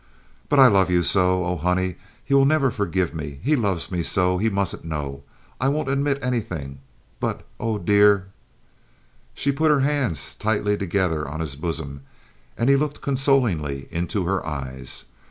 "But I love you so. Oh, honey, he will never forgive me. He loves me so. He mustn't know. I won't admit anything. But, oh, dear!" She put her hands tightly together on his bosom, and he looked consolingly into her eyes.